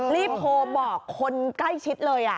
รีบโทรบอกคนใกล้ชิดเลย